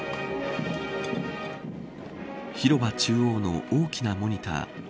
広場中央の大きなモニター